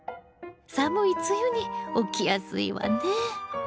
寒い梅雨に起きやすいわね。